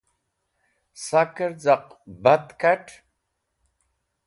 Sakẽr caq bat kat̃.